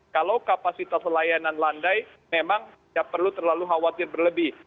kalau kapasitas layanan landai memang tidak perlu terlalu khawatir berlebih